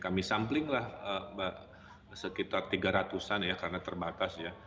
kami samplinglah sekitar tiga ratus an ya karena terbatas ya